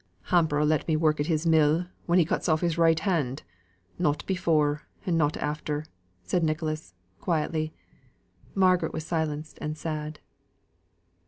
"Hamper'll let me work at his mill, when he cuts off his right hand not before, and not after," said Nicholas, quietly. Margaret was silenced and sad.